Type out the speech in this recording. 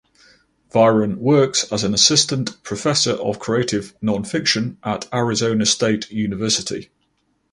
Viren works as an assistant professor of creative nonfiction at Arizona State University.